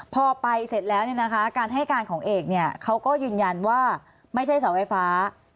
พอไปเสร็จแล้วการให้การของเอกเนี่ยเขาก็ยืนยันว่าไม่ใช่เสาไฟฟ้า